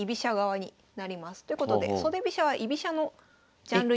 ということで袖飛車は居飛車のジャンルに。